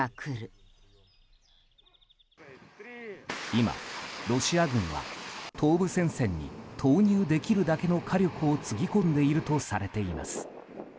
今、ロシア軍は東部戦線に投入できるだけの火力をつぎ込んでいるとされています。